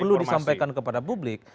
perlu disampaikan kepada publik